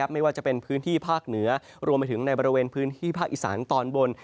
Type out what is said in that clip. ไม่ว่าจะเป็นพื้นที่ภาคเหนือรวมไปถึงในบริเวณพื้นที่ภาคอีสานตอนบน